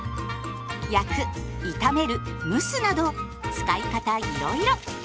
焼く炒める蒸すなど使い方いろいろ。